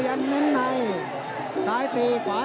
ตามต่อยกที่สองครับ